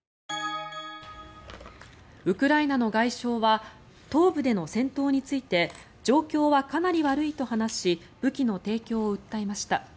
ウクライナの外相は東部での戦闘について状況はかなり悪いと話し武器の提供を訴えました。